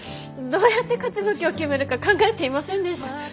どうやって勝ち負けを決めるか考えていませんでした。